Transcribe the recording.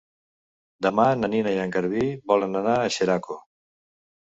Demà na Nina i en Garbí volen anar a Xeraco.